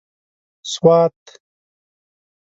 سوات